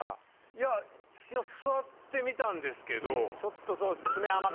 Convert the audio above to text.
いや一応座ってみたんですけどちょっとそうですね。